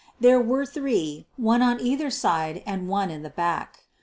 There were three, one on either side and one in the back.